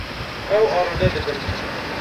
Ew arode dibin.